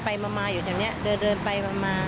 ไปมาอยู่แถวนี้เดินไปมา